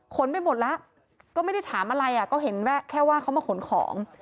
ไปหมดแล้วก็ไม่ได้ถามอะไรก็เห็นแค่ว่าเขามาขนของ